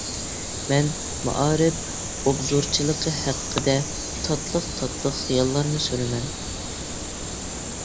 مەن مائارىپ ئوبزورچىلىقى ھەققىدە تاتلىق-تاتلىق خىياللارنى سۈرىمەن.